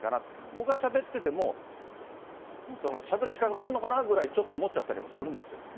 僕はしゃべってても、しゃべる資格があるのかなぐらい、ちょっと思っちゃったりもするんですよね。